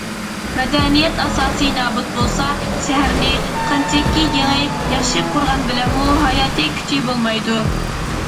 مەدەنىيەت ئاساسى نابۇت بولسا، شەھەرنى قانچىكى يېڭى، ياخشى قۇرغان بىلەنمۇ ھاياتىي كۈچى بولمايدۇ.